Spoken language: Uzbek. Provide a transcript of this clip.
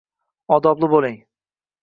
Odobli bo'ling!